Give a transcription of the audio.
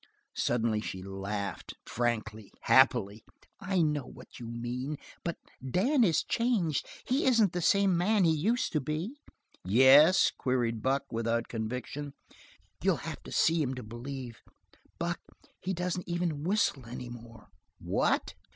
Suddenly she laughed, frankly, happily. "I know what you mean, but Dan is changed; he isn't the same man he used to be." "Yes?" queried Buck, without conviction. "You'll have to see him to believe; Buck, he doesn't even whistle any more." "What?"